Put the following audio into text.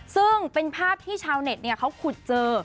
ซึ่งเป็นภาพที่ชาวเน็ตเขาขุดเจอ